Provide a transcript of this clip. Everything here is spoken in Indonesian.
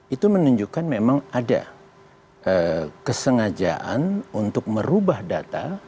itu menunjukkan memang ada kesengajaan untuk merubah data